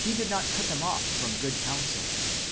did not cut them off from good counsel.